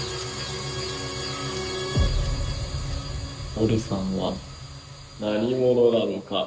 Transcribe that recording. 「ウォルさんは何者なのか」。